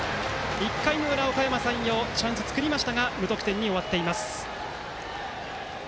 １回の裏、おかやま山陽チャンスを作りましたが無得点に終わっています。